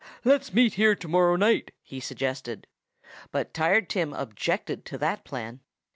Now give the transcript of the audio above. "Let's meet here to morrow night," he suggested. But Tired Tim objected to that plan.